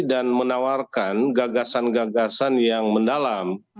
dan menawarkan gagasan gagasan yang mendalam